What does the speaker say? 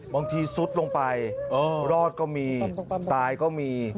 ซุดลงไปรอดก็มีตายก็มี